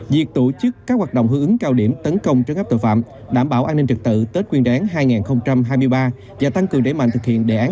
việc tổ chức các hoạt động hưởng ứng cao điểm tấn công trấn áp tội phạm đảm bảo an ninh trật tự tết nguyên đáng hai nghìn hai mươi ba và tăng cường đẩy mạnh thực hiện đề án